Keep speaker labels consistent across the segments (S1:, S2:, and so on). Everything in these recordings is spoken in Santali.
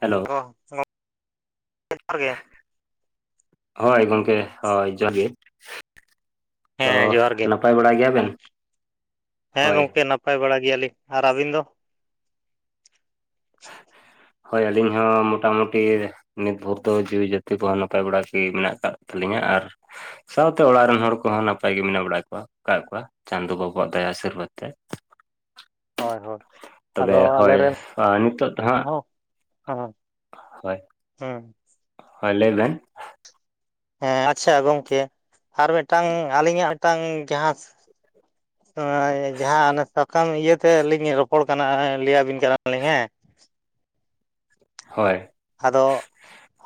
S1: ᱦᱮᱞᱳ᱾
S2: ᱚ [inaudible] ᱜᱮ᱾
S1: ᱦᱳᱭ ᱜᱚᱝᱠᱮ ᱦᱳᱭ ᱡᱚᱦᱟᱸᱨ ᱜᱮ᱾ ᱛᱚ
S2: ᱦᱮᱸ ᱡᱚᱸᱦᱟᱨ ᱜᱮ
S1: ᱱᱟᱯᱟᱭ ᱵᱟᱲᱟ ᱜᱮᱭᱟᱵᱮᱱ
S2: ᱟᱡ ᱦᱮᱸ
S1: ᱦᱳᱭ
S2: ᱜᱚᱝᱠᱮ ᱱᱟᱯ ᱯᱟᱭ ᱵᱟᱲᱟ ᱜᱮᱭᱟᱞᱤᱧ ᱟᱨ ᱟᱹᱵᱤᱱ ᱫᱚ?
S1: ᱦᱳᱭ ᱟᱹᱞᱤᱧ ᱦᱚᱸ ᱢᱚᱴᱟᱢᱩᱴᱤ ᱱᱤᱛ ᱵᱷᱳᱨ ᱫᱚ ᱡᱤᱣᱤ ᱡᱟᱹᱛᱤ ᱠᱚᱦᱚᱸ ᱱᱟᱯᱟᱭ ᱵᱟᱲᱟ ᱜᱮ ᱢᱮᱱᱟᱜ ᱠᱟᱫ ᱛᱟᱹᱞᱤᱧᱟ ᱟᱨ ᱥᱟᱶᱛᱮ ᱚᱲᱟᱜ ᱨᱮᱱ ᱦᱚᱲ ᱠᱚᱦᱚᱸ ᱱᱟᱯᱟᱭ ᱜᱮ ᱢᱮᱱᱟᱜ ᱵᱟᱲᱟ ᱠᱚᱣᱟ ᱠᱟᱜ ᱠᱚᱣᱟ᱾ ᱪᱟᱸᱫᱳ ᱵᱟᱵᱟᱣᱟᱜ ᱫᱟᱭᱟ ᱟᱥᱤᱨᱵᱟᱫ ᱛᱮ᱾
S2: ᱦᱳᱭ ᱦᱳᱭ᱾ ᱟᱫᱚ
S1: ᱛᱚᱵᱮ ᱦᱳᱭ
S2: ᱟᱞᱮᱨᱮᱱ
S1: ᱚ ᱱᱤᱛᱚᱜ ᱫᱚ ᱦᱟᱸᱜ
S2: ᱦᱚᱸᱚᱭ
S1: ᱦᱳᱭ, ᱦᱳᱭ ᱞᱟᱹᱭ ᱵᱮᱱ?
S2: ᱦᱮᱸ ᱟᱪᱪᱷᱟ ᱜᱚᱝᱠᱮ ᱟᱨ ᱢᱤᱫᱴᱟᱝ ᱟᱹᱞᱤᱧᱟᱜ ᱢᱤᱫᱴᱟᱝ ᱡᱟᱦᱟᱸ [inaudible] ᱡᱟᱦᱟᱸ ᱚᱱᱟ ᱥᱟᱠᱟᱢ ᱤᱭᱟᱹ ᱛᱮ ᱞᱤᱧ ᱨᱚᱯᱚᱲ ᱠᱟᱱᱟ ᱞᱟᱹᱭ ᱟᱵᱤᱱ ᱠᱟᱱᱟ ᱞᱤᱧ ᱦᱮᱸ᱾
S1: ᱦᱳᱭ᱾
S2: ᱟᱫᱚ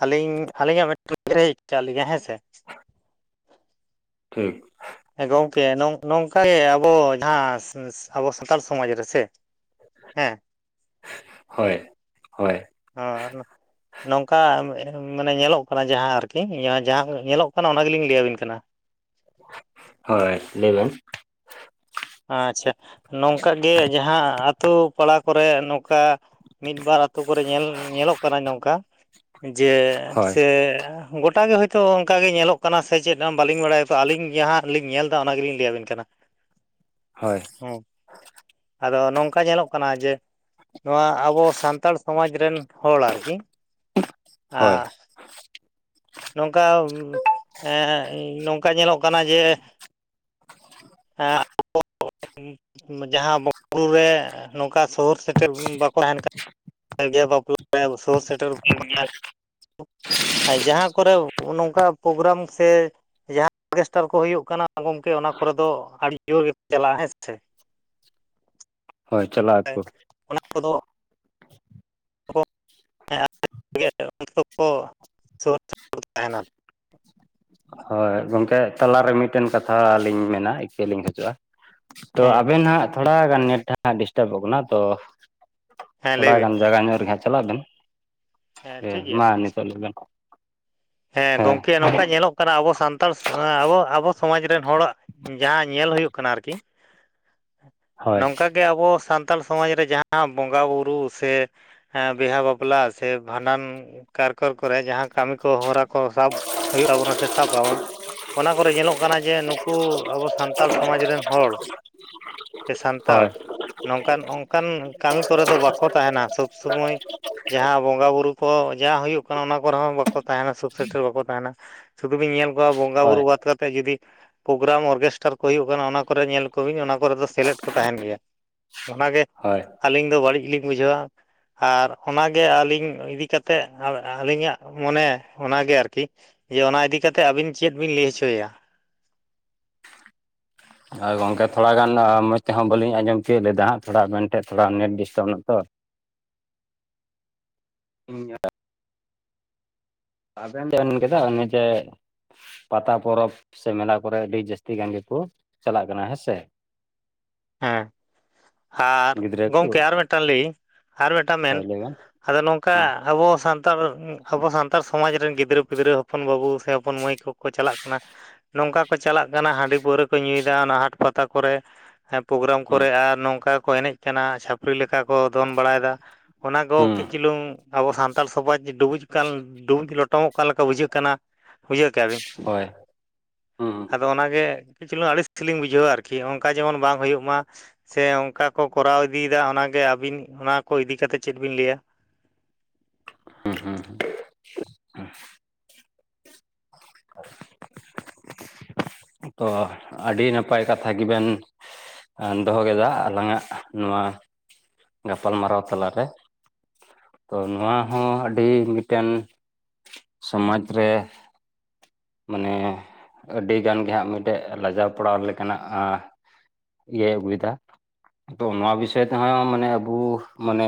S2: ᱟᱹᱞᱤᱧ ᱟᱹᱞᱤᱧᱟᱜ ᱢᱮᱫ [inaudible] ᱦᱮᱡ ᱠᱟᱜ ᱞᱤᱧᱟᱹ ᱦᱮᱸ ᱥᱮ᱾
S1: ᱴᱷᱤᱠ᱾
S2: ᱦᱮᱸ ᱜᱚᱝᱠᱮ ᱱᱚᱝ ᱱᱚᱝᱠᱟ ᱜᱮ ᱟᱵᱚ ᱡᱟᱦᱟᱸ ᱥᱟᱺᱥ ᱟᱵᱚ ᱥᱟᱱᱛᱟᱲ ᱥᱚᱢᱟᱡᱽ ᱨᱮ ᱥᱮ ᱦᱮᱸ᱾
S1: ᱦᱳᱭ᱾ ᱦᱳᱭ
S2: ᱟᱨ [inaudible] ᱱᱚᱝᱠᱟ ᱢᱟᱱᱮ ᱧᱮᱞᱚᱜ ᱠᱟᱱᱟ ᱡᱟᱦᱟᱸ ᱟᱨᱠᱤ ᱡᱟᱦᱟᱸ ᱧᱮᱞᱚᱜ ᱠᱟᱱᱟ ᱚᱱᱟ ᱜᱮᱞᱤᱧ ᱞᱟᱹᱭ ᱟᱵᱤᱱ ᱠᱟᱱᱟ᱾
S1: ᱦᱳᱭ ᱞᱟᱹᱭ ᱵᱤᱱ᱾
S2: ᱟᱪᱪᱷᱟ ᱱᱚᱝᱠᱟ ᱜᱮ ᱡᱟᱦᱟᱸ ᱟᱛᱳ ᱯᱟᱲᱟ ᱠᱚᱨᱮ ᱱᱚᱝᱠᱟ ᱢᱤᱫ ᱵᱟᱨ ᱟᱛᱳ ᱠᱚᱨᱮ ᱧᱮᱞ ᱧᱮᱞᱚᱜ ᱠᱟᱱᱟ ᱱᱚᱝᱠᱟ ᱡᱮ
S1: ᱦᱳᱭ
S2: ᱥᱮ ᱜᱚᱴᱟᱜ ᱜᱮ ᱦᱳᱭᱛᱳ ᱚᱝᱠᱟ ᱜᱮ ᱧᱮᱞᱚᱜ ᱠᱟᱱᱟ ᱥᱮ ᱪᱮᱫ ᱵᱟᱹᱞᱤᱧ ᱵᱟᱲᱟᱭᱟ ᱛᱚ ᱟᱹᱞᱤᱧ ᱵᱮᱣᱦᱟᱸᱜ ᱞᱤᱧ ᱚᱱᱟᱜᱮᱞᱤᱧ ᱞᱟᱹᱭᱟᱵᱤᱱ ᱠᱟᱱᱟ᱾
S1: ᱦᱳᱭ᱾
S2: ᱦᱩᱸ ᱟᱫᱚ ᱱᱚᱝᱠᱟ ᱧᱮᱞᱚᱜ ᱠᱟᱱᱟ ᱡᱮ ᱱᱚᱣᱟ ᱟᱵᱚ ᱥᱟᱱᱛᱟᱲ ᱥᱚᱢᱟᱡᱽ ᱨᱮᱱ ᱦᱚᱲ ᱟᱨᱠᱤ ᱟ
S1: ᱦᱳᱭ
S2: ᱱᱚᱝᱠᱟ ᱮᱸᱜ ᱱᱚᱝᱠᱟ ᱧᱮᱞᱚᱜ ᱠᱟᱱᱟ ᱡᱮ ᱦᱮᱸ᱾ [inaudible] ᱡᱟᱦᱟᱸ ᱵᱚᱸᱜᱟ ᱵᱩᱨᱩ ᱨᱮ ᱱᱚᱝᱠᱟ ᱥᱚᱦᱩᱨ ᱥᱮᱴᱮᱨ ᱵᱟᱠᱚ ᱛᱟᱦᱮᱱ ᱠᱟᱱ [inaudible] ᱠᱚᱨᱮ ᱦᱚᱸᱚ ᱱᱚᱝᱠᱟ ᱯᱨᱳᱜᱨᱟᱢ ᱥᱮ ᱡᱟᱦᱟᱸ ᱚᱨᱜᱮᱥᱴᱟᱨ ᱠᱚ ᱦᱩᱭᱩᱜ ᱠᱟᱱᱟ ᱜᱚᱝᱠᱮ ᱚᱱᱟ ᱠᱚᱨᱮ ᱫᱚ ᱟᱹᱰᱤ ᱡᱳᱨ ᱜᱮᱠᱚ ᱪᱟᱞᱟᱜᱼᱟ ᱦᱮᱸ ᱥᱮ᱾
S1: ᱦᱳᱭ ᱪᱟᱞᱟᱜ ᱟᱠᱚ᱾
S2: ᱚᱱᱟ ᱠᱚᱫᱚ [inaudible] ᱛᱟᱦᱮᱱᱟ
S1: ᱦᱳᱭ ᱜᱚᱝᱠᱮ ᱛᱟᱞᱟᱨᱮ ᱢᱤᱫᱴᱮᱱ ᱠᱟᱛᱷᱟ ᱞᱤᱧ ᱢᱮᱱᱟ ᱤᱠᱟᱹᱞᱤᱧ ᱠᱷᱚᱡᱚᱜᱼᱟ᱾ ᱛᱚ
S2: ᱦᱮᱸ
S1: ᱟᱵᱮᱱ ᱦᱟᱸᱜ ᱛᱷᱚᱲᱟ ᱜᱟᱱ [inaudible] ᱰᱤᱥᱴᱟᱵᱚᱜ ᱠᱟᱱᱟ ᱛᱚ
S2: ᱦᱮᱸ
S1: ᱛᱷᱚᱲᱟ
S2: ᱞᱟᱹᱭ ᱵᱤᱱ
S1: ᱜᱟᱱ ᱡᱟᱭᱜᱟ ᱧᱚᱜ ᱨᱮᱜᱮ ᱦᱟᱸᱜ ᱪᱟᱞᱟᱜ ᱵᱮᱱ, ᱦᱮᱸ
S2: ᱴᱷᱤᱠ ᱜᱮᱭᱟ
S1: ᱢᱟ ᱱᱤᱛᱚᱜ ᱞᱟᱹᱭ ᱵᱮᱱ᱾
S2: ᱦᱮᱸ ᱜᱚᱝᱠᱮ ᱱᱚᱝᱠᱟ ᱧᱮᱞᱚᱜ ᱠᱟᱱᱟ ᱟᱵᱚ ᱥᱟᱱᱛᱟᱲ ᱮᱸ ᱟᱵᱚ ᱟᱵᱚ ᱥᱚᱢᱟᱡᱽ ᱨᱮᱱ ᱦᱚᱲᱟᱜ ᱡᱟᱦᱟᱸ ᱧᱮᱞ ᱦᱩᱭᱩᱜ ᱠᱟᱱᱟ ᱟᱨᱠᱤ,
S1: ᱦᱳᱭ
S2: ᱱᱚᱝᱠᱟ ᱜᱮ ᱟᱵᱚ ᱥᱟᱱᱛᱟᱞ ᱥᱚᱢᱟᱡᱽ ᱨᱮ ᱡᱟᱦᱟᱸ ᱵᱚᱸᱜᱟ ᱵᱩᱨᱩ ᱥᱮ, ᱦᱮᱸ ᱵᱮᱦᱟ ᱵᱟᱯᱞᱟ ᱥᱮ ᱵᱷᱟᱸᱰᱟᱱ ᱠᱟᱨᱠᱚᱨ ᱠᱚᱨᱮ ᱡᱟᱦᱟᱸ ᱠᱟᱹᱢᱤ ᱠᱚ ᱦᱚᱨᱟ ᱠᱚ ᱥᱟᱵ ᱦᱩᱭᱩᱜ ᱟᱵᱚᱱᱟ ᱥᱮ ᱥᱟᱵ ᱟᱵᱚᱱ ᱚᱱᱟ ᱠᱚᱨᱮ ᱧᱮᱞᱚᱜ ᱠᱟᱱᱟ ᱡᱮ ᱱᱩᱠᱩ ᱟᱵᱚ ᱥᱟᱱᱛᱟᱲ ᱥᱚᱢᱟᱡᱽ ᱨᱮᱱ ᱦᱚᱲ ᱥᱮ ᱥᱟᱱᱛᱟᱲ
S1: ᱦᱳᱭ
S2: ᱱᱚᱝᱠᱟᱱ ᱚᱱᱠᱟᱱ ᱠᱟᱹᱢᱤ ᱠᱚᱨᱮ ᱫᱚ ᱵᱟᱠᱚ ᱛᱟᱸᱦᱮᱱᱟ, ᱥᱚᱵᱽ ᱥᱚᱢᱚᱭ᱾ ᱡᱟᱦᱟᱸ ᱵᱚᱸᱜᱟ ᱵᱩᱨᱩ ᱠᱚ ᱡᱟᱦᱟᱸ ᱦᱩᱭᱩᱜ ᱠᱟᱱᱟ ᱚᱱᱟ ᱠᱚᱨᱮ ᱦᱚᱸ ᱵᱟᱠᱚ ᱛᱟᱸᱦᱮᱱᱟ ᱥᱩᱠ ᱥᱮᱴᱮᱨ ᱵᱟᱠᱚ ᱛᱟᱸᱦᱮᱱᱟ ᱥᱩᱫᱷᱩ ᱵᱤᱱ ᱧᱮᱞ ᱠᱚᱣᱟ ᱵᱚᱸᱜᱟ
S1: ᱦᱳᱭ
S2: ᱵᱩᱨᱩ ᱵᱟᱫ ᱠᱟᱛᱮ ᱡᱩᱫᱤ ᱯᱨᱳᱜᱨᱟᱢ ᱚᱨᱜᱮᱥᱴᱟᱨ ᱠᱚ ᱦᱩᱭᱩᱜ ᱠᱟᱱᱟ ᱚᱱᱟ ᱠᱚᱨᱮ ᱧᱮᱞ ᱠᱚᱵᱤᱱ ᱚᱱᱟ ᱠᱚᱨᱮ ᱫᱚ ᱥᱮᱞᱮᱫ ᱠᱚ ᱛᱟᱸᱦᱮᱱ ᱜᱮᱭᱟ ᱚᱱᱟᱜᱮ
S1: ᱦᱳᱭ
S2: ᱟᱹᱞᱤᱧ ᱫᱚ ᱵᱟᱹᱲᱤᱡ ᱞᱤᱧ ᱵᱩᱡᱷᱟᱹᱣᱟ ᱟᱨ ᱚᱱᱟᱜᱮ ᱟᱹᱞᱤᱧ ᱤᱫᱤ ᱠᱟᱛᱮᱫ ᱟᱹᱞᱤᱧᱟᱜ ᱢᱚᱱᱮ ᱚᱱᱟᱜᱮ ᱟᱨᱠᱤ ᱡᱮ ᱚᱱᱟ ᱤᱫᱤ ᱠᱟᱛᱮ ᱟᱵᱤᱱ ᱪᱮᱫ ᱵᱤᱱ ᱞᱟᱹᱭ ᱦᱚᱪᱚᱭᱟ?
S1: ᱦᱚᱭ ᱜᱚᱝᱠᱮ ᱛᱷᱚᱲᱟᱜᱟᱱ ᱢᱚᱸᱡᱽ ᱛᱮᱦᱚᱸ ᱵᱟᱹᱞᱤᱧ ᱟᱸᱡᱚᱢ ᱛᱤᱭᱳᱜ ᱞᱮᱫᱟ ᱦᱟᱸᱜ ᱛᱷᱚᱲᱟ ᱢᱮᱱᱛᱮ ᱛᱷᱚᱲᱟ ᱱᱮᱴ ᱰᱤᱥᱴᱟᱵᱽ ᱱᱟ ᱛᱚ᱾ ᱦᱩᱸ [unintelligible] ᱟᱵᱮᱱ ᱵᱤᱱ ᱢᱮᱱ ᱜᱮᱫᱟ ᱩᱱᱤ ᱡᱮ ᱯᱟᱛᱟ ᱯᱚᱨᱚᱵᱽ ᱥᱮ ᱢᱮᱞᱟ ᱠᱚᱨᱮ ᱟᱹᱰᱤ ᱡᱟᱹᱥᱛᱤ ᱜᱟᱱ ᱜᱮᱠᱚ ᱪᱟᱞᱟᱜ ᱠᱟᱱᱟ ᱦᱮᱸᱥᱮ᱾
S2: ᱦᱮᱸ
S1: [unintelligible]
S2: ᱟᱨ
S1: ᱜᱤᱫᱽᱨᱟᱹ ᱠᱚ
S2: ᱜᱚᱝᱠᱮ ᱟᱨ ᱢᱤᱫᱴᱟᱝ ᱞᱟᱹᱭ ᱤᱧ ᱟᱨ ᱢᱤᱫᱴᱟᱝ ᱢᱮᱱ
S1: ᱦᱳᱭ ᱞᱟᱹᱭ ᱵᱮᱱ
S2: ᱟᱫᱚ ᱱᱚᱝᱠᱟ
S1: ᱦᱩᱸ
S2: ᱟᱵᱚ ᱥᱟᱱᱛᱟᱲ ᱚᱩᱻ ᱟᱵᱚ ᱥᱟᱱᱛᱟᱲ ᱥᱚᱢᱟᱡᱽ ᱨᱮᱱ ᱜᱤᱫᱽᱨᱟᱹ ᱯᱤᱫᱽᱨᱟᱹ ᱦᱚᱯᱚᱱ ᱵᱟᱹᱵᱩ ᱥᱮ ᱦᱚᱯᱚᱱ ᱢᱟᱹᱭ ᱠᱚ ᱠᱚ ᱪᱟᱞᱟᱜ ᱠᱟᱱᱟ ᱱᱚᱝᱠᱟ ᱠᱚ ᱪᱟᱞᱟᱜ ᱠᱟᱱᱟ ᱦᱟᱺᱰᱤ ᱯᱟᱹᱣᱨᱟᱹ ᱠᱚ ᱧᱩᱭᱮᱫᱟ ᱚᱱᱟ ᱦᱟᱸᱴ ᱯᱟᱛᱟ ᱠᱚᱨᱮ᱾ ᱯᱨᱳᱜᱨᱟᱢ
S1: ᱦᱩᱸ
S2: ᱠᱚᱨᱮ ᱟᱨ ᱱᱚᱝᱠᱟ ᱠᱚ ᱮᱱᱮᱡ ᱠᱟᱱᱟ ᱪᱷᱟᱹᱯᱲᱤ ᱞᱮᱠᱟ ᱠᱚ ᱫᱚᱱ ᱵᱟᱲᱟᱭᱮᱫᱟ ᱚᱱᱟ ᱠᱚ
S1: ᱦᱩᱸ
S2: ᱠᱟᱹᱡ ᱪᱩᱞᱩᱝ ᱟᱵᱚ ᱥᱟᱱᱛᱟᱲ ᱥᱚᱢᱟᱡᱽ ᱰᱩᱵᱩᱡᱚᱜ ᱠᱟᱱ ᱰᱩᱵᱩᱡ ᱞᱚᱴᱚᱢᱚᱜ ᱠᱟᱱ ᱞᱮᱠᱟ ᱵᱩᱡᱷᱟᱹᱜ ᱠᱟᱱᱟ᱾ ᱵᱩᱡᱷᱟᱹᱣ ᱠᱮᱜ-ᱟ ᱵᱤᱱ᱾
S1: ᱦᱳᱭ ᱦᱩᱸ
S2: ᱟᱫᱚ ᱚᱱᱟᱜᱮ ᱠᱤᱪᱷᱩ ᱞᱤᱝ ᱟᱹᱲᱤᱥ ᱞᱤᱧ ᱵᱩᱡᱷᱟᱹᱣᱟ ᱟᱨᱠᱤ ᱚᱱᱠᱟ ᱡᱮᱢᱚᱱ ᱵᱟᱝ ᱦᱩᱭᱩᱜ ᱢᱟ, ᱥᱮ ᱚᱱᱠᱟ ᱠᱚ ᱠᱚᱨᱟᱣ ᱤᱫᱤᱭᱮᱫᱟ ᱚᱱᱟᱜᱮ ᱟᱹᱵᱤᱱ ᱚᱱᱟ ᱠᱚ ᱤᱫᱤ ᱠᱟᱛᱮ ᱪᱮᱫ ᱵᱤᱱ ᱞᱟᱹᱭᱟ?
S1: ᱦᱩᱸ ᱦᱩᱸ᱾ [unintelligible] ᱚ ᱟᱹᱰᱤ ᱱᱟᱯᱟᱭ ᱠᱟᱛᱷᱟ ᱜᱮᱵᱮᱱ ᱮᱸ ᱫᱚᱦᱚ ᱠᱮᱫᱟ ᱟᱞᱟᱝᱟᱜ ᱱᱚᱣᱟ ᱜᱟᱯᱟᱞ ᱢᱟᱨᱟᱣ ᱛᱟᱞᱟᱨᱮ᱾ ᱛᱚ ᱱᱚᱣᱟ ᱦᱚᱸ ᱟᱹᱰᱤ ᱢᱤᱫᱴᱮᱱ ᱥᱚᱢᱟᱡᱽ ᱨᱮ᱾ ᱢᱟᱱᱮ ᱟᱹᱰᱤᱜᱟᱱ ᱜᱮ ᱦᱟᱸᱜ ᱢᱤᱫᱴᱮᱡ ᱞᱟᱡᱟᱣ ᱯᱟᱲᱟᱣ ᱞᱮᱠᱟᱱᱟᱜ᱾ ᱟᱻ ᱤᱭᱟᱹᱭ ᱟᱹᱜᱩᱭᱮᱫᱟ ᱛᱚ ᱱᱚᱣᱟ ᱵᱤᱥᱚᱭ ᱛᱮᱦᱚᱸ ᱢᱟᱱᱮ ᱟᱵᱩ ᱢᱟᱱᱮ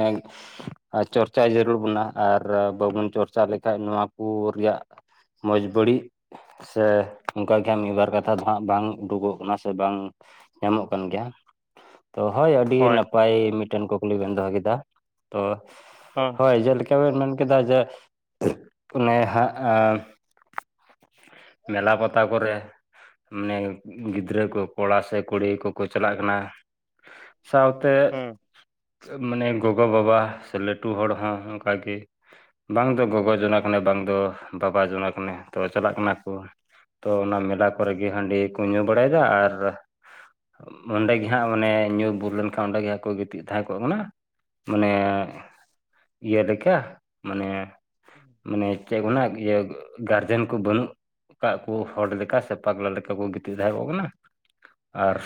S1: ᱟᱨ ᱪᱚᱨᱪᱟ ᱡᱟᱹᱨᱩᱲ ᱵᱚᱱᱟ ᱟᱨ ᱵᱟᱵᱚᱱ ᱪᱚᱨᱪᱟ ᱞᱮᱠᱷᱟᱡ ᱱᱚᱣᱟ ᱠᱚ ᱨᱮᱭᱟᱜ ᱢᱚᱡᱽ ᱵᱟᱹᱲᱤᱡ ᱥᱮ ᱚᱱᱠᱟ ᱜᱮ ᱦᱟᱸᱜ ᱢᱤᱫᱵᱟᱨ ᱠᱟᱛᱷᱟ ᱫᱚ ᱦᱟᱸᱜ ᱵᱟᱝ ᱩᱰᱩᱠᱚᱜ ᱠᱟᱱᱟ ᱥᱮ ᱵᱟᱝ ᱮᱢᱚᱜ ᱠᱟᱱ ᱜᱮᱭᱟ᱾ ᱛᱚ ᱦᱳᱭ ᱟᱹᱰᱤ ᱱᱟᱯᱟᱭ ᱢᱤᱫᱴᱮᱱ ᱠᱩᱠᱞᱤ ᱵᱮᱱ ᱫᱚᱦᱚ ᱠᱮᱫᱟ, ᱛᱚ
S2: ᱦᱚᱸ᱾
S1: ᱦᱳᱭ ᱡᱮᱞᱮᱠᱟᱵᱱ ᱢᱮᱱ ᱠᱮᱫᱟ ᱡᱮ ᱚᱱᱮ ᱦᱟᱸᱜ ᱟᱻ ᱢᱮᱞᱟ ᱯᱟᱛᱟ ᱠᱚᱨᱮ ᱢᱟᱱᱮ ᱜᱤᱫᱽᱨᱟᱹ ᱠᱚ ᱠᱚᱲᱟ ᱥᱮ ᱠᱩᱲᱤ ᱠᱚᱠᱚ ᱪᱟᱞᱟᱜ ᱠᱟᱱᱟ ᱥᱟᱶᱛᱮ,
S2: ᱦᱩᱸ
S1: ᱢᱟᱱᱮ ᱜᱚᱜᱚᱼ ᱵᱟᱵᱟ ᱥᱮ ᱞᱟᱹᱴᱩ ᱦᱚᱲ ᱦᱚᱸ ᱚᱱᱠᱟᱜᱮ ᱵᱟᱝ ᱫᱚ ᱜᱚᱜᱚ ᱡᱚᱱᱟ ᱠᱟᱱᱮ ᱵᱟᱝᱫᱚ ᱵᱟᱵᱟ ᱡᱚᱱᱟ ᱠᱟᱱᱮ ᱛᱚ ᱪᱟᱞᱟᱜ ᱠᱟᱱᱟ ᱛᱚ ᱚᱱᱟ ᱢᱮᱞᱟ ᱠᱚᱨᱮ ᱜᱮ ᱦᱟᱺᱰᱤ ᱠᱚ ᱧᱩ ᱵᱟᱲᱟᱭᱮᱫᱟ ᱟᱨ ᱚᱸᱰᱮ ᱜᱮ ᱦᱟᱸᱜ ᱢᱟᱱᱮ ᱧᱩ ᱵᱩᱞ ᱞᱮᱱᱠᱷᱟᱱ ᱚᱸᱰᱮ ᱜᱮ ᱦᱜ ᱠᱚ ᱜᱤᱛᱤᱡ ᱛᱟᱦᱮᱸ ᱠᱚᱜ ᱠᱟᱱᱟ᱾ ᱢᱟᱱᱮ ᱤᱭᱟᱹ ᱞᱮᱠᱟ ᱢᱟᱱᱮ ᱢᱟᱱᱮ ᱪᱮᱫ ᱢᱮᱱᱟ ᱤᱭᱟᱹ ᱜᱟᱨᱡᱣᱢ ᱠᱚ ᱵᱟᱹᱱᱩᱜ ᱚᱠᱟ ᱠᱚ ᱦᱚᱲ ᱞᱮᱠᱟ ᱥᱮ ᱯᱟᱜᱽᱞᱟ ᱞᱮᱠᱟ ᱠᱚ ᱜᱤᱛᱤᱡ ᱛᱟᱦᱮ ᱠᱚᱜ ᱠᱟᱱᱟ᱾ ᱟᱨ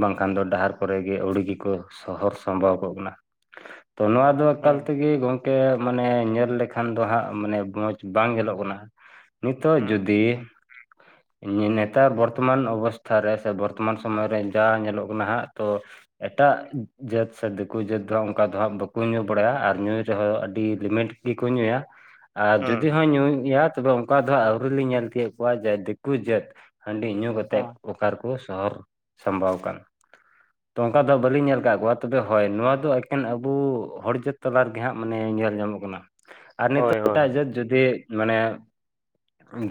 S1: ᱵᱟᱝᱠᱷᱟᱱ ᱫᱚ ᱰᱟᱦᱟᱨ ᱠᱚᱨᱮ ᱜᱮ ᱟᱹᱣᱲᱤ ᱜᱮᱠᱚ ᱥᱚᱦᱚᱨ ᱥᱟᱢᱵᱟᱣ ᱠᱚᱜ ᱠᱟᱱᱟ᱾ [unintelligible] ᱟᱫᱚ ᱮᱠᱟᱞ
S2: ᱦᱩᱸ
S1: ᱛᱮᱜᱮ ᱜᱚᱢᱠᱮ ᱢᱟᱱᱮ ᱧᱮᱞ ᱞᱮᱠᱷᱟᱱ ᱫᱚ ᱦᱟᱸᱜ ᱢᱟᱱᱮ ᱢᱚᱡᱽ ᱵᱟᱝ ᱧᱮᱞᱚᱜ ᱠᱟᱱᱟ᱾ ᱱᱤᱛᱚᱜ
S2: ᱦᱩᱸ
S1: ᱡᱩᱫᱤ ᱱᱮᱛᱟᱨ ᱵᱚᱨᱛᱚᱢᱟᱱ ᱚᱵᱚᱥᱛᱷᱟ ᱨᱮ ᱥᱮ ᱵᱚᱨᱛᱚᱢᱟᱱ ᱥᱚᱢᱚᱭ ᱨᱮ ᱡᱟ ᱧᱮᱞᱚᱜ ᱠᱟᱱᱟ ᱦᱟᱸᱜ ᱛᱚ ᱮᱴᱟᱜ ᱡᱟᱹᱛ ᱥᱮ ᱫᱤᱠᱩ ᱡᱟᱹᱛ ᱫᱚᱜ ᱚᱱᱠᱟ ᱫᱚ ᱦᱟᱸᱜ ᱵᱟᱠᱚ ᱧᱩ ᱵᱟᱲᱟᱭᱟ ᱟᱨ ᱧᱩᱭ ᱨᱮᱦᱚᱸ ᱟᱹᱰᱤ ᱞᱤᱢᱤᱴ ᱜᱮᱠᱚ ᱧᱩᱭᱟ ᱟᱨ ᱡᱩᱫᱤ
S2: ᱦᱩᱸ
S1: ᱦᱚᱭ ᱧᱩᱭ ᱜᱮᱭᱟ ᱛᱚᱵᱮ ᱚᱱᱠᱟ ᱫᱚ ᱟᱹᱣᱨᱤ ᱞ᱾ᱤᱧ ᱧᱮᱞ ᱛᱤᱭᱳᱜ ᱠᱚᱣᱟ ᱡᱮ ᱫᱤᱠᱩ ᱡᱟᱹᱛ ᱦᱟᱺᱰᱤ ᱧᱩ ᱠᱟᱛᱮᱫ ᱚᱠᱟ ᱨᱮᱠᱚ ᱥᱚᱦᱚᱨ ᱥᱟᱢᱵᱟᱣ ᱟᱠᱟᱱ᱾ [inaudible] ᱛᱚ ᱚᱱᱠᱟ ᱫᱚ ᱦᱟᱜ ᱵᱟᱹᱞᱤᱧ ᱧᱮᱞ ᱟᱠᱟᱫ ᱠᱚᱣᱟ ᱛᱚᱵᱮ ᱦᱳᱭ ᱱᱚᱣᱟ ᱫᱚ ᱮᱠᱮᱱ ᱟᱵᱚ ᱦᱚᱲ ᱡᱟᱹᱛ ᱛᱟᱞᱟ ᱨᱮᱜᱮ ᱦᱟᱸᱜ ᱢᱟᱱᱮ ᱧᱮᱞ ᱧᱟᱢᱚᱜ ᱠᱟᱱᱟ᱾ ᱟᱨ
S2: ᱦᱳᱭ
S1: ᱱᱤᱛᱚᱜ
S2: ᱦᱳᱭ
S1: ᱮᱴᱟᱜ ᱡᱟᱹᱛ ᱡᱩᱫᱤ ᱢᱟᱱᱮ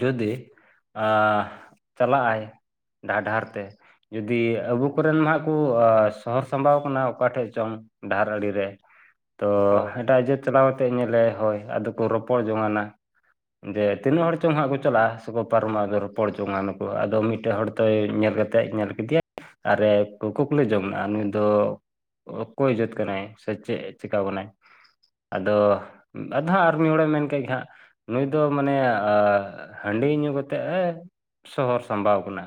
S1: ᱡᱩᱫᱤ ᱪᱟᱞᱟᱜᱼ ᱟᱭ ᱰᱟᱦᱟᱨ ᱰᱟᱦᱟᱨ ᱛᱮ ᱡᱩᱫᱤ ᱟᱵᱩ ᱠᱚᱨᱮᱱ ᱢᱟ ᱦᱟᱜ ᱠᱚ ᱥᱚᱦᱚᱨ ᱥᱟᱢᱵᱟᱣ ᱟᱠᱟᱱᱟ ᱚᱠᱟᱴᱷᱮᱱ ᱪᱚᱝ᱾ ᱰᱟᱦᱟᱨ ᱟᱲᱮ ᱨᱮ ᱛᱚ
S2: ᱦᱳᱭ
S1: ᱮᱴᱟᱜ ᱡᱟᱹᱛ ᱪᱟᱞᱟᱣ ᱠᱟᱛᱮ ᱧᱮᱞᱮ ᱦᱳᱭ ᱟᱫᱚ ᱠᱚ ᱨᱚᱯᱚᱲ ᱡᱚᱝᱟᱱᱟ ᱡᱮ ᱛᱤᱱᱟᱹᱜ ᱦᱚᱲ ᱪᱚᱝ ᱦᱟᱸᱜ ᱠᱚ ᱪᱟᱞᱟᱜᱼᱟ᱾ ᱠᱚ ᱯᱟᱨᱚᱢᱚᱜᱼᱟ ᱟᱫᱚ ᱨᱚᱯᱚᱲ ᱡᱚᱝᱟᱱᱠᱚ ᱟᱫᱚ ᱢᱤᱫᱴᱮᱱ ᱦᱚᱲ ᱛᱚᱭ ᱧᱮᱞ ᱠᱟᱛᱮᱫ ᱧᱮᱞ ᱠᱮᱫᱮᱭᱟ ᱾ ᱟᱨᱮ ᱠᱳᱠᱟ ᱠᱚᱞᱮ ᱡᱚᱢ ᱫᱟ ᱟᱨ ᱱᱩᱭ ᱫᱚ ᱚᱠᱚᱭ ᱡᱟᱹᱛ ᱠᱟᱱᱟᱭ ᱥᱮ ᱪᱮᱫ ᱪᱮᱠᱟ ᱵᱚᱱᱟᱭ ᱟᱫᱚ ᱟᱫᱚ ᱦᱟᱸᱜ ᱟᱨ ᱢᱤᱫ ᱦᱚᱲᱮ ᱢᱮᱱ ᱠᱮᱫᱮᱜ ᱜᱮ ᱦᱟᱸᱜ ᱱᱩᱭ ᱫᱚ ᱢᱟᱱᱮ ᱦᱟᱺᱰᱤ ᱧᱩ ᱠᱟᱛᱮᱫ ᱮ ᱥᱚᱦᱚᱨ ᱥᱟᱢᱵᱟᱣ ᱟᱠᱟᱱᱟ᱾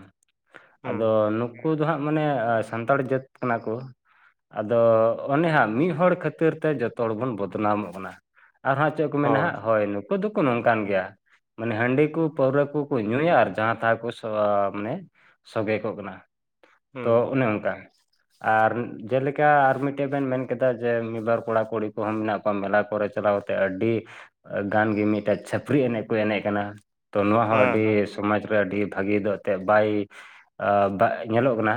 S2: ᱦᱩᱸ
S1: ᱟᱫᱚ ᱱᱩᱠᱩ ᱫᱚ ᱦᱟᱸᱜ ᱢᱟᱱᱮ ᱥᱟᱱᱛᱟᱲ ᱡᱟᱹᱛ ᱠᱟᱱᱟ ᱠᱚ᱾ ᱟᱫᱚ ᱚᱱᱮ ᱦᱟᱸᱜ ᱢᱤᱫ ᱦᱚᱲ ᱠᱷᱟᱹᱛᱤᱨ ᱛᱮ ᱡᱚᱛᱚ ᱦᱚᱲ ᱵᱚᱱ ᱵᱚᱫᱱᱟᱢᱚᱜ ᱠᱟᱱᱟ ᱟᱨᱦᱟᱸᱜ ᱪᱮᱫ ᱠᱚ ᱢᱮᱱᱟ ᱱᱟᱦᱟᱜ ᱦᱳᱭ ᱱᱩᱠᱩ ᱫᱚᱠᱚ ᱱᱚᱝᱠᱟᱱ ᱜᱮᱭᱟ ᱢᱟᱱᱮ ᱦᱟᱺᱰᱤ ᱠᱚ ᱯᱟᱹᱣᱨᱟᱹ ᱠᱚᱠᱚ ᱧᱩᱭᱟ ᱟᱨ ᱡᱟᱦᱟᱸ ᱛᱟᱦᱟ ᱠᱚ ᱢᱟᱱᱮ ᱥᱚᱜᱮ ᱠᱚᱜ ᱠᱟᱱᱟ᱾ ᱛᱚ
S2: ᱦᱩᱸ
S1: ᱚᱱᱮ ᱚᱱᱠᱟ᱾ ᱟᱨ ᱡᱮᱞᱮᱠᱟ ᱟᱨ ᱢᱤᱫᱴᱮᱡ ᱵᱮᱱ ᱢᱮᱱ ᱠᱮᱫᱟ ᱡᱮ ᱢᱤᱫᱵᱟᱨ ᱠᱚᱲᱟ ᱠᱩᱲᱤ ᱠᱚᱦᱚᱸ ᱢᱮᱱᱟᱜ ᱠᱚᱣᱟ ᱢᱮᱞᱟ ᱠᱚᱨᱮ ᱪᱟᱞᱟᱣ ᱠᱟᱛᱮᱫ ᱟᱹᱰᱤ ᱜᱟᱱ ᱜᱮ ᱢᱤᱫᱴᱮᱡ ᱪᱷᱟᱹᱯᱨᱤ ᱮᱱᱮᱡ ᱠᱚ ᱮᱱᱮᱡ ᱠᱟᱱᱟ᱾ ᱛᱚ ᱱᱚᱣᱟ ᱦᱚᱸ
S2: ᱦᱩᱸ
S1: ᱟᱹᱰᱤ
S2: ᱦᱩᱸ
S1: ᱥᱚᱢᱟᱡ ᱨᱮ ᱟᱹᱰᱤ ᱵᱷᱟᱹᱜᱤ ᱫᱚ ᱮᱱᱛᱮᱫ ᱵᱟᱭ ᱧᱮᱞᱚᱜ ᱠᱟᱱᱟ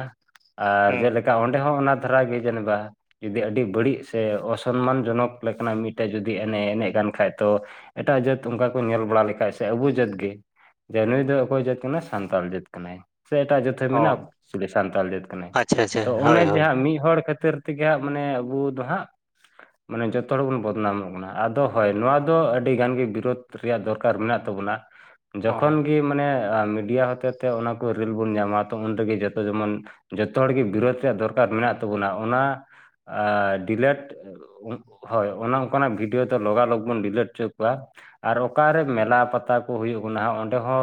S1: ᱟᱨ
S2: ᱦᱮᱸ
S1: ᱡᱮᱞᱮᱠᱟ ᱪᱤᱠᱟ ᱚᱸᱰᱮ ᱦᱚᱸ ᱚᱱᱟ ᱫᱷᱟᱨᱟ ᱜᱮ ᱡᱮᱱᱫᱟ᱾ ᱡᱩᱫᱤ ᱟᱹᱰᱤ ᱵᱟᱹᱲᱤᱡ ᱥᱮ ᱚᱥᱚᱱᱢᱟᱱ ᱡᱚᱱᱚᱠ ᱞᱮᱠᱟᱱᱟᱜ ᱢᱤᱫᱴᱮᱡ ᱡᱩᱫᱤ ᱮᱱᱮᱡ ᱮᱱᱮᱡ ᱠᱟᱱ ᱠᱷᱟᱡ ᱛᱚ ᱮᱴᱟᱜ ᱡᱟᱹᱛ ᱚᱱᱠᱟ ᱠᱚ ᱧᱮᱞ ᱵᱟᱲᱟ ᱞᱮᱠᱷᱟᱡ ᱥᱮ ᱟᱵᱚ ᱡᱟᱹᱛ ᱡᱮ ᱱᱩᱭ ᱫᱚ ᱚᱠᱚᱭ ᱡᱟᱹᱛ ᱠᱟᱱᱟᱭ ᱥᱟᱱᱛᱟᱲ ᱡᱟᱹᱛ ᱠᱟᱱᱟᱭ ᱥᱮ ᱮᱴᱟᱜ ᱡᱟᱹᱛ
S2: ᱚ
S1: ᱢᱮᱱᱟᱜᱼᱟ ᱥᱟᱱᱛᱟᱲ ᱡᱟᱹᱛ ᱠᱟᱱᱟᱭ
S2: ᱟᱪᱪᱷᱟ ᱟᱪᱪᱷᱟ
S1: ᱛᱚ ᱚᱱᱮ
S2: ᱦᱳᱭ ᱦᱳᱭ
S1: ᱡᱟᱦᱟᱸᱮ ᱢᱤᱫ ᱦᱚᱲ ᱠᱷᱟᱹᱛᱤᱨ ᱛᱮᱜᱮ ᱦᱟᱸᱜ ᱢᱟᱱᱮ ᱟᱵᱚ ᱫᱚ ᱦᱟᱸᱜ ᱢᱟᱱᱮ ᱡᱚᱛᱚ ᱦᱚᱲ ᱵᱚᱱ ᱵᱚᱫᱱᱟᱢᱚᱜ ᱠᱟᱱᱟ ᱟᱫᱚ ᱦᱳᱭ ᱱᱚᱣᱟ ᱫᱚ ᱟᱹᱰᱤ ᱜᱟᱱ ᱜᱮ ᱵᱤᱨᱳᱫ ᱨᱮᱭᱟᱜ ᱫᱚᱨᱠᱟᱨ ᱢᱮᱱᱟᱜ ᱛᱟᱵᱚᱱᱟ᱾
S2: ᱚ
S1: ᱡᱚᱠᱷᱚᱱ ᱜᱮ ᱢᱟᱱᱮ ᱢᱤᱰᱤᱭᱟ ᱦᱚᱛᱮ ᱛᱮ ᱚᱱᱟᱠᱚ ᱨᱤᱞ ᱵᱚᱱ ᱧᱟᱢᱟ ᱛᱚ ᱩᱱᱨᱮᱜᱮ ᱡᱚᱛᱚ ᱡᱮᱢᱚᱱ᱾ ᱡᱚᱛᱚ ᱦᱚᱲᱜᱮ ᱵᱤᱨᱳᱫ ᱨᱮᱭᱟᱜ ᱫᱚᱨᱠᱟᱨ ᱢᱮᱱᱟᱜ ᱛᱟᱵᱚᱱᱟ ᱚᱱᱟ ᱰᱤᱞᱮᱴ ᱦᱳᱭ ᱚᱱᱮ ᱚᱱᱠᱟᱱᱟᱜ ᱵᱷᱤᱰᱭᱳ ᱫᱚ ᱞᱚᱜᱟ-ᱞᱚᱜᱽ ᱵᱚᱱ ᱰᱤᱞᱤᱴ ᱦᱚᱪᱚ ᱠᱚᱣᱟ᱾ ᱟᱨ ᱚᱠᱟᱨᱮ ᱢᱮᱞᱟ ᱯᱟᱛᱟ ᱠᱚ ᱦᱩᱭᱩᱜ ᱠᱟᱱᱟ ᱦᱚ ᱚᱸᱰᱮ ᱦᱚ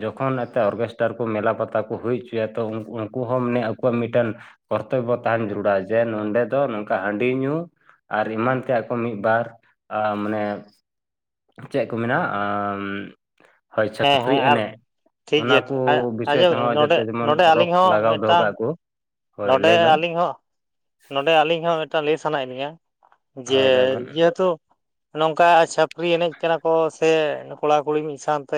S1: ᱡᱚᱠᱷᱚᱱ ᱮᱛᱮ ᱚᱨᱜᱮᱥᱴᱟᱨ ᱠᱚ ᱢᱮᱞᱟ ᱯᱟᱛᱟ ᱠᱚ ᱦᱩᱭ ᱦᱚᱪᱚᱭᱟ ᱛᱚ ᱩᱱᱠᱩ ᱦᱚᱸ ᱢᱟᱱᱮ ᱟᱠᱚᱣᱟᱜ ᱢᱤᱫᱴᱮᱱ ᱠᱚᱨᱛᱚᱵᱚ ᱛᱟᱦᱮᱱ ᱡᱟᱹᱨᱩᱲᱟ ᱡᱮ ᱱᱚᱰᱮ ᱫᱚ ᱱᱚᱝᱠᱟ ᱦᱟᱺᱰᱤ ᱧᱩ, ᱟᱨ ᱮᱢᱟᱱ ᱛᱮᱭᱟᱜ ᱠᱚ ᱢᱤᱫ ᱵᱟᱨ ᱢᱟᱱᱮ, ᱪᱮᱫ ᱠᱚ ᱢᱮᱱᱟᱜ ᱦᱳᱭ
S2: ᱦᱮᱸ
S1: ᱪᱷᱟᱹᱯᱨᱤ
S2: ᱦᱮᱸ ᱟᱨ
S1: ᱮᱱᱮᱡᱽ᱾
S2: ᱴᱷᱤᱠ
S1: ᱚᱱᱟ
S2: ᱜᱮᱭᱟ
S1: ᱠᱚ ᱵᱤᱥᱚᱭ
S2: ᱟᱸᱡᱚᱢ
S1: ᱛᱮᱦᱚᱸ
S2: ᱱᱚᱰᱮ
S1: ᱡᱟᱛᱮ ᱡᱮᱢᱚᱱ
S2: ᱱᱚᱰᱮ
S1: ᱨᱳᱠ
S2: ᱟᱹᱞᱤᱧ ᱦᱚᱸ
S1: ᱞᱟᱜᱟᱣ ᱫᱚᱦᱚ
S2: ᱢᱤᱫᱴᱟᱝ
S1: ᱠᱟᱜ ᱠᱩ᱾
S2: ᱱᱚᱰᱮ ᱟᱹᱞᱤᱧ ᱦᱚ, ᱱᱚᱰᱮ ᱟᱹᱞᱤᱧ ᱦᱚ ᱢᱤᱫᱴᱟᱝ ᱞᱟᱹᱭ ᱥᱟᱱᱟᱭᱮᱫ ᱞᱤᱧᱟ᱾ ᱡᱮ,
S1: ᱦᱳᱭ ᱞᱟᱹᱭ ᱵᱮᱱ
S2: ᱡᱮ ᱦᱮᱛᱩ ᱱᱚᱝᱠᱟ ᱪᱷᱟᱯᱤᱨᱤ ᱮᱱᱮᱡᱽ ᱠᱟᱱᱟ ᱠᱚ ᱥᱮ ᱠᱚᱲᱟ ᱠᱩᱲᱤ ᱢᱤᱫᱽ ᱥᱟᱶᱛᱮ,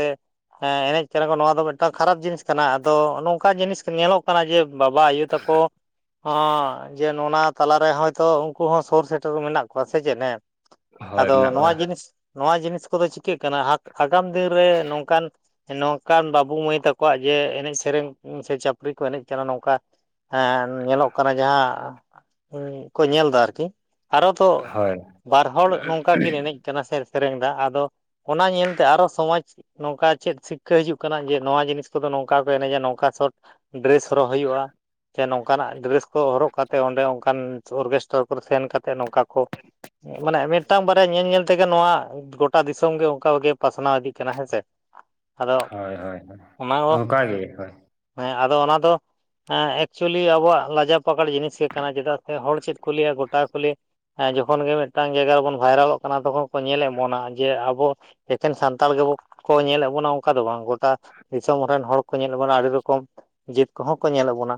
S2: ᱦᱮᱸ ᱮᱱᱮᱡᱽ ᱠᱟᱱᱟ ᱠᱚ ᱱᱚᱣᱟ ᱫᱚ ᱢᱤᱫᱴᱟᱝ ᱠᱷᱟᱨᱟᱯ ᱡᱤᱱᱤᱥ ᱠᱟᱱᱟ ᱟᱫᱚ ᱱᱚᱝᱠᱟ ᱡᱤᱱᱤᱥ ᱧᱮᱞᱚᱜ ᱠᱟᱱᱟ ᱡᱮ ᱵᱟᱵᱟ ᱟᱭᱳ ᱛᱟ ᱠᱚ, ᱦᱮᱸ ᱡᱮ ᱱᱚᱜ-ᱱᱟ ᱛᱟᱞᱟᱨᱮ ᱦᱚᱭᱛᱚ ᱩᱱᱠᱩ ᱦᱚᱸ ᱥᱩᱨ ᱥᱮᱴᱮᱨ ᱢᱮᱱᱟᱜ ᱠᱚᱣᱟ ᱥᱮ ᱪᱮᱫ ᱦᱮᱸ᱾
S1: ᱦᱳᱭ
S2: ᱟᱫᱚ
S1: ᱢᱮᱱᱟᱜ
S2: ᱱᱚᱣᱟ
S1: ᱠᱚᱣᱟ
S2: ᱡᱤᱱᱤᱥ, ᱱᱚᱣᱟ ᱡᱤᱱᱤᱥ ᱠᱚᱫᱚ ᱪᱤᱠᱟᱹᱜ ᱠᱟᱱᱟ ᱟᱠ, ᱟᱜᱟᱢ ᱫᱤᱱ ᱨᱮ ᱱᱚᱝᱠᱟᱱ, ᱱᱚᱝᱠᱟᱱ ᱵᱟᱹᱵᱩ ᱢᱟᱹᱭ ᱛᱟᱠᱚᱣᱟᱜ ᱡᱮ ᱮᱱᱮᱡᱽ ᱥᱮᱨᱮᱧ ᱥᱮ ᱪᱷᱟᱯᱨᱤ ᱠᱚ ᱮᱱᱮᱡᱽ ᱠᱟᱱᱟ ᱱᱚᱝᱠᱟ, ᱦᱮᱸ ᱧᱮᱞᱚᱜ ᱠᱟᱱᱟ ᱡᱟᱦᱟᱸ ᱠᱚ ᱧᱮᱞ ᱫᱟ ᱟᱨᱠᱤ᱾ ᱟᱨᱦᱚ ᱛᱚ
S1: ᱦᱳᱭ
S2: ᱵᱟᱨ ᱦᱚᱲ ᱱᱚᱝᱠᱟ ᱠᱤᱱ ᱮᱱᱮᱡᱽ, ᱠᱟᱱᱟ ᱥᱮ ᱥᱮᱨᱮᱧ ᱮᱫᱟ ᱟᱫᱚ ᱚᱱᱟ ᱧᱮᱞᱛᱮ ᱟᱨᱦᱚ ᱥᱚᱢᱟᱡᱽ, ᱱᱚᱝᱠᱟ ᱪᱮᱫ ᱥᱤᱠᱷᱟᱹ ᱦᱤᱡᱩᱜ ᱠᱟᱱᱟ ᱡᱮ ᱱᱚᱣᱟ ᱡᱤᱱᱤᱥ ᱠᱚᱫᱚ ᱱᱚᱝᱠᱟ ᱠᱚ ᱮᱱᱮᱡᱽ-ᱟ ᱱᱚᱝᱠᱟ ᱥᱚᱴ ᱰᱨᱮᱥ ᱦᱚᱨᱚᱜ ᱦᱩᱭᱩᱜᱼᱟ᱾ ᱥᱮ ᱱᱚᱝᱠᱟᱱᱟᱜ ᱰᱨᱮᱥ ᱠᱚ ᱦᱚᱨᱚᱜ ᱠᱟᱛᱮ ᱚᱸᱰᱮ ᱚᱱᱠᱟᱱ ᱚᱨᱜᱮᱥᱴᱟᱨ ᱠᱚᱨᱮ ᱥᱮᱱ ᱠᱟᱛᱮ ᱱᱚᱝᱠᱟ ᱠᱚ, ᱢᱟᱱᱮ ᱢᱤᱫᱴᱟᱝ ᱵᱟᱨᱭᱟ ᱧᱮᱞ-ᱧᱮᱞ ᱛᱮᱜᱮ ᱱᱚᱣᱟ, ᱜᱚᱴᱟ ᱫᱤᱥᱚᱢ ᱜᱮ ᱚᱝᱠᱟᱜᱮ ᱯᱟᱥᱱᱟᱣ ᱤᱫᱤᱜ ᱠᱟᱱᱟ ᱦᱮᱸᱥᱮ᱾ ᱟᱫᱚ
S1: ᱦᱳᱭ-ᱦᱳᱭ-ᱦᱳᱭ
S2: ᱚᱱᱟ ᱦᱚᱸ
S1: ᱚᱱᱠᱟᱜ ᱜᱮ ᱦᱳᱭ,
S2: ᱦᱮᱸ ᱟᱫᱚ ᱚᱱᱟ ᱫᱚ, ᱦᱮᱸ ᱮᱠᱪᱩᱞᱤ ᱟᱵᱚᱣᱟᱜ ᱞᱟᱡᱟ ᱯᱟᱠᱟᱲ ᱡᱤᱱᱤᱥ ᱜᱮ ᱠᱟᱱᱟ ᱪᱮᱫᱟᱜ ᱥᱮ ᱦᱚᱲ ᱪᱮᱫ ᱠᱚ ᱞᱟᱹᱭᱟ ᱜᱚᱴᱟ ᱠᱚ ᱞᱟᱹᱭᱟ᱾ ᱦᱮᱸ ᱡᱚᱠᱷᱚᱱ ᱜᱮ ᱢᱤᱫᱴᱟᱝ ᱡᱟᱭᱜᱟ ᱨᱮᱵᱚᱱ ᱵᱷᱟᱭᱨᱟᱞᱚᱜ ᱠᱟᱱᱟ ᱛᱚᱠᱷᱚᱱ ᱠᱚ ᱧᱮᱞ ᱮᱫ ᱵᱚᱱᱟ ᱡᱮ ᱟᱵᱚ, ᱮᱠᱦᱮᱱ ᱥᱟᱱᱛᱟᱲ ᱜᱮᱵᱚ ᱠᱚ ᱧᱮᱞ ᱮᱫ ᱵᱚᱱᱟ ᱚᱱᱠᱟ ᱫᱚ ᱵᱟᱝ ᱜᱚᱴᱟ ᱫᱤᱥᱚᱢ ᱨᱮᱱ ᱦᱚᱲ ᱠᱚ ᱧᱮᱞ ᱵᱚᱱᱟ ᱟᱹᱰᱤ ᱨᱚᱠᱚᱢ ᱡᱟᱹᱛ ᱠᱚᱦᱚᱸ, ᱠᱚ ᱧᱮᱞ ᱮᱫ ᱵᱚᱱᱟ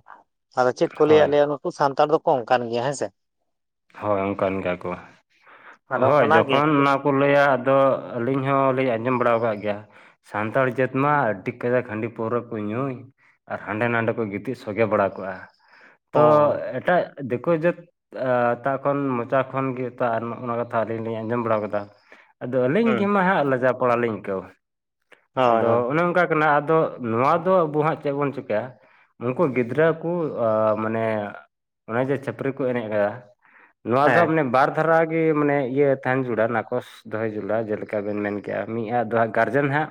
S2: ᱟᱫᱚ ᱪᱮᱫ ᱠᱚ ᱞᱟᱹᱭᱟ,
S1: ᱦᱳᱭ
S2: ᱞᱟᱹᱭᱟ ᱱᱩᱠᱩ ᱥᱟᱱᱛᱟᱲ ᱫᱚᱠᱚ ᱱᱚᱝᱠᱟᱱ ᱜᱮᱭᱟ ᱦᱮᱸ ᱥᱮ᱾
S1: ᱦᱳᱭ ᱚᱱᱠᱟᱱ ᱜᱮᱭᱟ ᱠᱚ
S2: ᱟᱫᱚ
S1: ᱦᱳᱭ
S2: ᱚᱱᱟᱜᱮ
S1: ᱡᱚᱠᱷᱚᱱ ᱚᱱᱟ ᱠᱚ, ᱞᱟᱹᱭᱟ ᱟᱫᱚ ᱟᱹᱞᱤᱧ ᱦᱚᱸᱞᱤᱧ ᱟᱸᱡᱚᱢ ᱵᱟᱲᱟ ᱟᱠᱟᱫ ᱜᱮᱭᱟ᱾ ᱥᱟᱱᱛᱟᱲ ᱡᱟᱹᱛ ᱢᱟ ᱟᱹᱰᱤ ᱠᱟᱡᱟᱜ ᱦᱟᱺᱰᱤ ᱯᱟᱹᱣᱨᱟᱹ ᱠᱚ ᱧᱩᱭ᱾ ᱟᱨ ᱦᱟᱸᱰᱮ ᱱᱟᱰᱮ ᱠᱚ ᱜᱤᱛᱤᱡ ᱥᱚᱜᱮ ᱵᱟᱲᱟ ᱠᱚᱜ-ᱟ᱾ ᱛᱚ
S2: ᱦᱚᱸ
S1: ᱮᱴᱟᱜ ᱫᱤᱠᱩ ᱡᱟᱹᱛ ᱟᱻ ᱮᱴᱟᱜ ᱠᱷᱚᱱ ᱢᱚᱪᱟ ᱠᱷᱚᱱ ᱜᱮ ᱚᱱᱟ ᱠᱟᱛᱷᱟ ᱟᱞᱤᱧ ᱞᱤᱧ ᱟᱸᱡᱚᱢ ᱵᱟᱲᱟ ᱟᱠᱟᱫᱟ᱾ ᱟᱫᱚ ᱟᱹᱞᱤᱧ ᱜᱮ
S2: ᱦᱚᱸ
S1: ᱢᱟ ᱦᱟᱸᱜ ᱞᱟᱡᱟᱣ ᱯᱟᱲᱟᱞᱤᱧ ᱟᱹᱭᱠᱟᱹᱣᱟ
S2: ᱦᱳᱭ
S1: ᱟᱫᱚ
S2: ᱦᱳᱭ
S1: ᱚᱱᱮ ᱚᱱᱠᱟ, ᱠᱟᱱᱟ ᱟᱫᱚ ᱱᱚᱣᱟ ᱫᱚ ᱟᱵᱚ ᱦᱟᱸᱜ ᱪᱮᱫ ᱵᱚᱱ ᱪᱤᱠᱟᱭᱟ᱾ ᱩᱱᱠᱩ ᱜᱤᱫᱽᱨᱟᱹ ᱠᱚ ᱢᱟᱱᱮ ᱚᱱᱮ ᱡᱮ ᱪᱷᱟᱹᱯᱤᱨᱤ ᱠᱚ ᱮᱱᱮᱡ ᱟᱠᱟᱫᱟ᱾ ᱱᱚᱣᱟ ᱫᱚ
S2: ᱦᱮᱸ
S1: ᱢᱟᱱᱮ ᱵᱟᱨ ᱫᱷᱟᱨᱟ ᱜᱮ ᱢᱟᱱᱮ ᱤᱭᱟᱹ ᱛᱟᱦᱮᱱ ᱡᱩᱲᱟᱜ ᱱᱟ ᱠᱚᱥ᱾ ᱫᱚᱦᱚᱭ ᱡᱩᱲᱟᱜᱼᱟ ᱡᱮᱞᱮᱠᱟ ᱵᱮᱱ ᱢᱮᱱ ᱠᱮᱜᱼᱟ ᱢᱤᱫ ᱟ ᱫᱟᱸᱜ ᱜᱟᱨᱡᱮᱱ ᱦᱟᱸᱜ,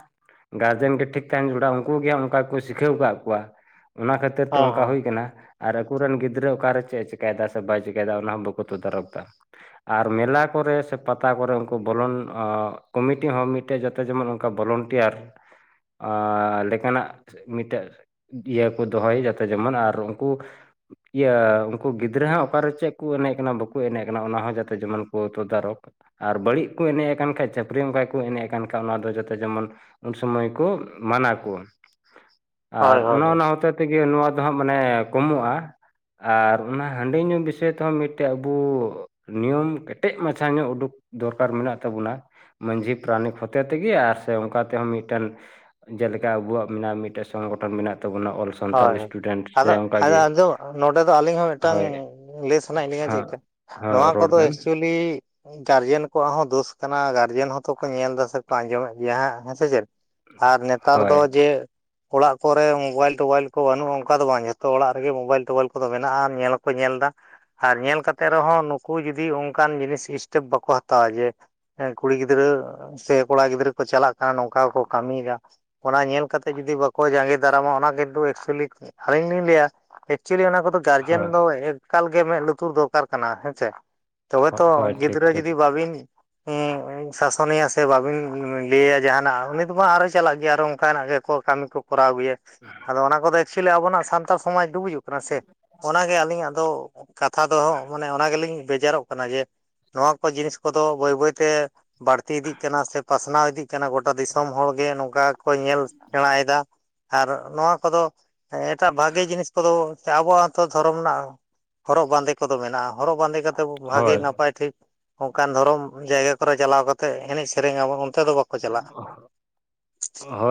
S1: ᱜᱟᱨᱡᱮᱱ ᱜᱮ ᱴᱷᱤᱠ ᱛᱟᱦᱮᱱ ᱡᱚᱲᱟ ᱩᱱᱠᱩ ᱜᱮ ᱚᱱᱠᱟ ᱜᱮ ᱠᱚ ᱥᱤᱠᱷᱟᱹᱣ ᱟᱠᱟᱫ ᱠᱚᱣᱟ ᱚᱱᱟ ᱠᱷᱟ ᱠᱷᱟᱹᱤᱨ ᱛᱮ
S2: ᱦᱚᱸ
S1: ᱚᱱᱠᱟ
S2: ᱦᱚᱸ
S1: ᱦᱩᱭ ᱟᱠᱟᱱᱟ ᱟᱨ ᱟᱠᱚᱨᱮᱱ ᱜᱤᱫᱽᱨᱟᱹ ᱚᱠᱟᱨᱮ ᱪᱮᱫ ᱮ ᱪᱤᱠᱟᱭ ᱫᱟ ᱥᱮ ᱵᱟᱭ ᱪᱤᱠᱟᱭ ᱫᱟ᱾ ᱱᱟ ᱦᱚᱸ ᱵᱩᱠᱩ ᱛᱮ ᱫᱟ ᱨᱚᱜ ᱫᱟ᱾ ᱟᱨ ᱢᱮᱞᱟ ᱠᱚᱨᱮ ᱥᱮ ᱯᱟᱛᱟ ᱠᱚᱨᱮ ᱩᱱᱠᱩ ᱵᱚᱞᱚᱱ ᱠᱚᱢᱤᱴᱤ ᱦᱚᱸ ᱢᱤᱫᱽ ᱢᱤᱫᱴᱟᱸᱜ ᱡᱟᱛᱮ ᱡᱮᱢᱚᱱ ᱚᱱᱠᱟ ᱵᱚᱞᱚᱱ ᱴᱤᱭᱟᱨ ᱞᱮᱠᱟᱱᱟᱜ ᱢᱤᱫᱴᱟᱹᱜ᱾ ᱤᱭᱟᱹ ᱠᱚ ᱫᱚᱦᱚᱭᱟ ᱡᱟᱛᱮ ᱡᱮᱢᱚᱱ ᱟᱨ ᱩᱱᱠᱩ ᱤᱭᱟᱹ ᱩᱱᱠᱩ ᱜᱤᱫᱽᱨᱟᱹ ᱦᱟᱸᱜ ᱚᱠᱟᱨᱮ ᱪᱮᱫ ᱠᱚ ᱮᱱᱮᱡ ᱠᱟᱱᱟ ᱵᱟᱠᱚ ᱮᱱᱮᱡ ᱠᱟᱱᱟ ᱚᱱᱟ ᱦᱚᱸ ᱡᱟᱛᱮ ᱡᱮᱢᱚᱱ ᱠᱚ ᱛᱚ ᱫᱟᱨᱚᱠ, ᱟᱨ ᱵᱟᱹᱲᱤᱡ ᱠᱚ ᱮᱱᱮᱡ ᱟᱠᱟᱱ ᱠᱷᱟᱡ ᱪᱟᱹᱯᱨᱤ ᱚᱱᱠᱟ ᱠᱚ ᱮᱱᱮᱡ ᱠᱟᱱ ᱠᱷᱟᱡ ᱚᱱᱟ ᱫᱚ ᱡᱟᱛᱮ ᱡᱮᱢᱚᱱ ᱩᱱ ᱥᱚᱢᱚᱭ ᱠᱚ ᱢᱟᱱᱟ ᱠᱚ ᱟᱨ
S2: ᱦᱳᱭ ᱦᱳᱭ
S1: ᱚᱱᱮ
S2: ᱦᱳᱭ
S1: ᱚᱱᱟ ᱦᱚᱛᱮ ᱛᱮᱜᱮ ᱱᱚᱣᱟ ᱫᱚ ᱦᱟᱸᱜ ᱢᱟᱱᱮ ᱠᱚᱢᱚᱜᱼᱟ ᱟᱨ ᱚᱱᱟ ᱦᱟᱺᱰᱤ ᱧᱩ ᱵᱤ ᱥᱤ ᱛᱮᱦᱚᱸ ᱢᱤᱫᱴᱮᱡ ᱟᱵᱚ ᱱᱤᱭᱚᱢ ᱠᱮᱴᱮᱡ ᱢᱟᱪᱷᱟ ᱧᱚᱜ ᱩᱰᱩᱠ ᱫᱚᱨᱠᱟᱨ ᱢᱮᱱᱟᱜ ᱛᱟᱵᱚᱱᱟ, ᱢᱟᱹᱡᱷᱤ ᱯᱟᱨᱟᱱᱤᱠ ᱦᱚᱛᱮ ᱛᱮᱜᱮ ᱥᱮ ᱚᱱᱠᱟ ᱛᱮ ᱢᱤᱴᱮᱱ, ᱡᱮᱞᱮᱠᱟ ᱟᱵᱚᱣᱟᱜ ᱢᱮᱱᱟᱜᱼᱟ ᱢᱤᱴᱮᱱ ᱥᱚᱝᱜᱚᱴᱷᱚᱱ ᱢᱮᱱᱟᱜ ᱛᱟᱵᱚᱱᱟ ᱚᱞ ᱥᱟᱱᱛᱟᱞ
S2: ᱦᱳᱭ ᱦᱳᱭ
S1: ᱥᱴᱩᱰᱮᱱᱴ ᱥᱮ
S2: ᱟᱫᱚ
S1: ᱚᱱᱠᱟᱜᱮ
S2: ᱟ ᱟᱸᱡᱚᱢ ᱱᱚᱰᱮ ᱫᱚ ᱟᱹᱞᱤᱧ ᱦᱚᱸ ᱢᱤᱫᱴᱟᱝ
S1: ᱦᱳᱭ
S2: ᱞᱟᱹᱭ ᱥᱟᱱᱟᱭᱮᱫ ᱞᱤᱧᱟ
S1: ᱦᱮᱸ
S2: ᱪᱮᱫᱠᱟ ᱱᱚᱣᱟ
S1: ᱦᱮᱸ ᱨᱚᱲ
S2: ᱠᱚᱫᱚ
S1: ᱵᱮᱱ
S2: ᱮᱠᱪᱩᱭ ᱞᱤ ᱜᱟᱨᱡᱮᱱ ᱠᱚᱣᱟᱜ ᱦᱚᱸ ᱫᱳᱥ ᱠᱟᱱᱟ ᱜᱟᱨᱡᱮᱱ ᱦᱚᱸ ᱛᱚ ᱠᱚ ᱧᱮᱞ ᱫᱟ ᱥᱮᱠᱚ ᱟᱸᱡᱚᱢᱮᱜ ᱜᱮᱭᱟ ᱦᱟᱸᱜ ᱦᱮᱸᱥᱮ ᱪᱮᱫ ᱟᱨ ᱱᱮᱛᱟᱨ
S1: ᱦᱳᱭ
S2: ᱫᱚ ᱡᱮ ᱚᱲᱟᱜ ᱠᱚᱨᱮ ᱢᱳᱵᱟᱭᱮᱞ ᱴᱳᱣᱟᱭᱤᱞ ᱠᱚ ᱵᱟᱹᱱᱩᱜᱼᱟ ᱚᱱᱠᱟ ᱫᱚ ᱵᱟᱝ ᱡᱷᱚᱛᱚ ᱚᱲᱟᱜ ᱨᱮᱜᱮ ᱢᱳᱵᱟᱭᱤᱞ ᱴᱳᱵᱟᱭᱤᱞ ᱠᱚᱫᱚ ᱢᱮᱱᱟᱜᱼᱟ ᱧᱮᱞ ᱦᱚᱸᱠᱚ ᱧᱮᱞ ᱫᱟ, ᱟᱨ ᱧᱮᱞ ᱠᱟᱛᱮᱜ ᱨᱮᱦᱚᱸ ᱱᱩᱠᱩ ᱡᱩᱚᱫᱤ ᱚᱱᱠᱟᱱ ᱡᱤᱱᱤᱥ ᱥᱴᱮᱯ ᱵᱟᱠᱚ ᱦᱟᱛᱟᱣᱟ ᱡᱮ, ᱦᱮᱸ ᱠᱩᱲᱤ ᱜᱤᱫᱽᱨᱟᱹ ᱥᱮ ᱠᱚᱲᱟ ᱜᱤᱫᱽᱨᱟᱹ ᱠᱚ ᱪᱟᱞᱟᱜ ᱠᱟᱱᱟ ᱱᱚᱝᱠᱟ ᱠᱚ ᱠᱟᱹᱢᱤᱭᱫᱟ, ᱚᱱᱟ ᱧᱮᱞ ᱠᱟᱛᱮ ᱡᱩᱫᱤ ᱵᱟᱠᱚ ᱡᱟᱸᱜᱮ ᱫᱟᱨᱟᱢᱟ ᱚᱱᱟ ᱠᱤᱱ ᱛᱩ ᱮᱠᱪᱩᱭᱞᱤ ᱟᱞᱤᱧ ᱞᱤᱧ ᱞᱟᱹᱭᱟ ᱮᱠᱪᱚᱞᱤ ᱚᱱᱟ ᱠᱚᱫᱚ ᱜᱟᱨᱡᱮᱱ
S1: ᱦᱳᱭ
S2: ᱫᱚ ᱮᱠᱟᱞ ᱜᱮ ᱢᱮᱸᱫ ᱞᱩᱛᱩᱨ ᱫᱚᱨᱠᱟᱨ ᱠᱟᱱᱟ ᱦᱮᱸᱪᱮ ᱛᱚᱵᱮ ᱛᱚ
S1: ᱦᱳᱭ ᱴᱷᱤᱠ
S2: ᱜᱤᱫᱽᱨᱟᱹ
S1: ᱴᱷᱤᱠ
S2: ᱡᱩᱫᱤ ᱵᱟᱵᱤᱱ
S1: [unintelligible]
S2: ᱥᱟᱥᱚᱱᱮᱭᱟ ᱥᱮ ᱵᱟᱵᱤᱱ ᱞᱟᱹᱭᱟ ᱡᱟᱦᱟᱱᱟᱜ ᱩᱱᱤ ᱫᱚ ᱵᱟᱝ ᱟᱨᱚᱭ ᱪᱟᱞᱟᱜ ᱜᱮᱭᱟ ᱟᱨᱚ ᱚᱱᱠᱟᱱᱟᱜ ᱜᱮᱠᱚ ᱠᱟᱹᱢᱤ ᱠᱚ ᱠᱚᱨᱟᱣ ᱟᱜᱩᱭᱟ ᱟᱫᱚ ᱚᱱᱟ ᱠᱚᱫᱚ ᱮᱠᱪᱩᱭᱮᱞᱤ ᱟᱵᱚᱱᱟᱜ ᱥᱟᱱᱛᱟᱲ ᱥᱚᱢᱟᱡᱽ ᱰᱩᱵᱩᱡᱩᱜ ᱠᱟᱱᱟ ᱥᱮ ᱚᱱᱟᱜᱮ ᱟᱹᱞᱤᱧᱟᱜ ᱫᱚ ᱠᱟᱛᱷᱟ ᱫᱚᱦᱚ ᱢᱟᱱᱮ ᱚᱱᱟ ᱜᱮᱞᱤᱧ ᱵᱮᱡᱟᱨᱚᱜ ᱠᱟᱱᱟ ᱡᱮ ᱱᱚᱣᱟ ᱠᱚ ᱡᱤᱱᱤᱥ ᱠᱚᱫᱚ ᱵᱟᱹᱭ ᱵᱟᱹᱭᱛᱮ ᱵᱟᱹᱲᱛᱤ ᱤᱫᱤᱜ ᱠᱟᱱᱟ ᱥᱮ ᱯᱟᱥᱱᱟᱣ ᱤᱫᱤᱜ ᱠᱟᱱᱟ ᱜᱚᱴᱟ ᱫᱤᱥᱚᱢ ᱦᱚᱲ ᱜᱮ ᱱᱚᱝᱠᱟ ᱠᱚ ᱧᱮᱞ ᱥᱮᱬᱟᱭᱮᱫᱟ ᱟᱨ ᱱᱚᱣᱟ ᱠᱚᱫᱚ ᱮᱴᱟᱜ ᱵᱷᱟᱜᱮ ᱡᱤᱱᱤᱥ ᱠᱚᱫᱚ ᱟᱵᱚᱣᱟᱜ ᱦᱚᱛᱚ ᱫᱷᱚᱨᱚᱢ ᱨᱮᱱᱟᱜ ᱦᱚᱨᱚᱜ ᱵᱟᱸᱫᱮ ᱠᱚᱫᱚ ᱢᱮᱱᱟᱜᱼᱟ ᱦᱚᱨᱚᱜ ᱵᱟᱸᱫᱮ ᱠᱟᱛᱮᱫ ᱵᱷᱟᱹᱜᱮ
S1: ᱦᱳᱭ
S2: ᱱᱟᱯᱟᱭ ᱴᱷᱤᱠ ᱚᱱᱠᱟᱱ ᱫᱷᱚᱨᱚᱢ ᱡᱟᱭᱜᱟ ᱠᱚᱨᱮ ᱪᱟᱞᱟᱣ ᱠᱟᱛᱮ ᱮᱱᱮᱡ ᱥᱮᱨᱮᱧ ᱟᱵᱚᱱ ᱚᱱᱛᱮ ᱫᱚ ᱵᱟᱠᱚ ᱪᱟᱞᱟᱜᱼᱟ᱾ [unintelligible]